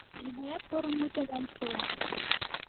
И мыят поро мутым ом суло.